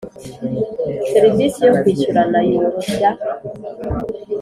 Serivisi yo kwishyurana yoroshya